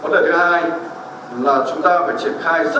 để chỉ ra được những hành vi sai phạm từ việc